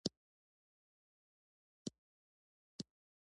د ښې اړیکې ساتل د ژوند خوند زیاتوي.